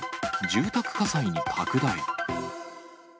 住宅火災に拡大。